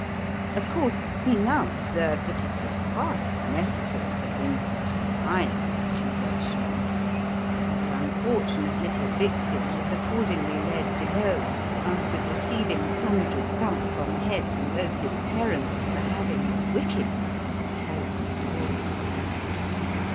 Of course, he now observed that it was hardly necessary for him to deny the accusation ; and the unfortunate little victim was accordingly led below, after receiving sundry thumps on the head from both his parents, for having the wickedness to tell a story.